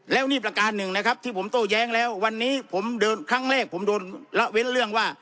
แล้วนี่ประการหนึ่งนะครับที่ผมโต้แย้งแล้ววันนี้ผมเดินครั้งแรกผมโดนละเว้นเรื่องว่า